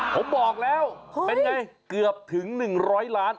ผมบอกแล้วเป็นไงเกือบถึง๑๐๐ล้าน